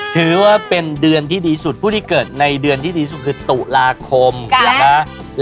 ถือว่าเป็นเดือนที่ดีทุกคนของเราที่เกิดในเดือนที่ดีสุดคือตุลาคมกับเมสายน